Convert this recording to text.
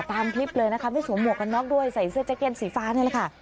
ตามคลิปเลยนะคะไม่สวมหวกกันน็อกด้วยใส่เสื้อแจ็กเก็ตสีฟ้านี่แหละค่ะ